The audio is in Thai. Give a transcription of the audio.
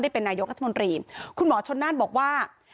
เป็นนายกรัฐมนตรีคุณหมอชนน่านบอกว่า